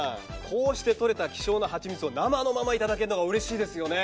こうして採れた希少な蜂蜜を生のまま頂けるのがうれしいですよね！